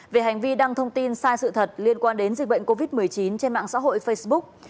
về hành vi đăng thông tin sai sự thật liên quan đến dịch bệnh covid một mươi chín trên mạng xã hội facebook